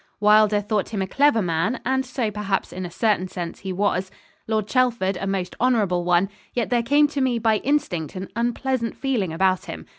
Wylder thought him a clever man (and so perhaps, in a certain sense, he was); Lord Chelford, a most honourable one; yet there came to me by instinct an unpleasant feeling about him.